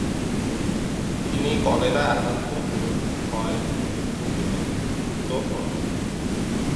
তিনি কলেরায় আক্রান্ত হয় মৃত্যুমুখে পতিত হন।